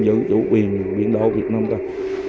giữ chủ quyền biển độ việt nam thôi